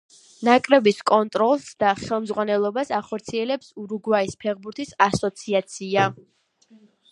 ნაკრების კონტროლს და ხელმძღვანელობას ახორციელებს ურუგვაის ფეხბურთის ასოციაცია.